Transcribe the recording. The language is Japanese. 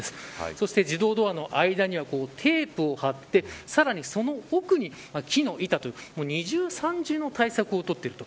そして自動ドアの間にはテープを貼ってさらにその奥に木の板と二重、三重の対策を取っている。